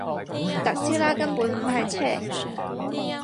特斯拉根本唔係車